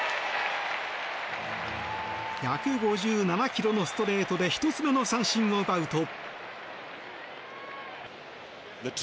１５７キロのストレートで１つ目の三振を奪うと。